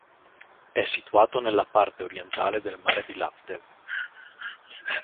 È situato nella parte orientale del mare di Laptev.